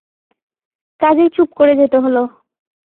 কাজেই চুপ করে যেতে হল।